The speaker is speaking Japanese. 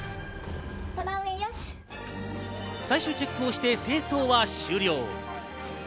最終チェックをして清掃は終了。